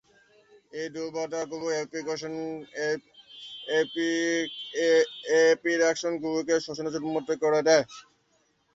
এই দুর্বলতাগুলি অ্যাপ্লিকেশনগুলিকে শোষণের জন্য উন্মুক্ত করে দেয়।